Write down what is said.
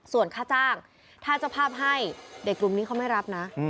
ส่วนค่าจ้างถ้าเจ้าภาพให้เด็กกลุ่มนี้เขาไม่รับนะ